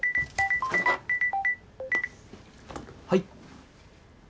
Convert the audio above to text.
はい。